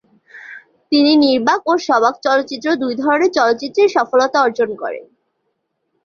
তিনি নির্বাক ও সবাক চলচ্চিত্র, দুই ধরনের চলচ্চিত্রেই সফলতা অর্জন করেন।